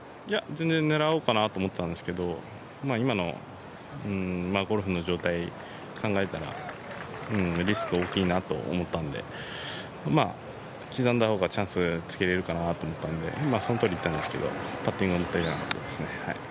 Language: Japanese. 全然、狙おうかなと思ってたんですけど今のゴルフの状態考えたら、リスクが大きいなと思ったので刻んだ方がチャンスつけれるかなと思ってそのとおりいったんですけどパッティングはもったいなかったですね。